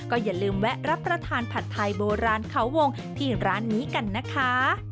อย่าลืมแวะรับประทานผัดไทยโบราณเขาวงที่ร้านนี้กันนะคะ